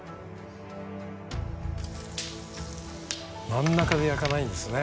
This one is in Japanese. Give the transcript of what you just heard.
真ん中で焼かないんですね。